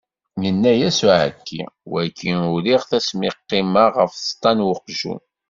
Yenna-as s uɛekki, wagi uriɣ-t asmi qqimeɣ ɣef tseṭṭa n weqjun.